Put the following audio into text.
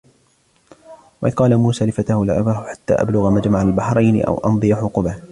وإذ قال موسى لفتاه لا أبرح حتى أبلغ مجمع البحرين أو أمضي حقبا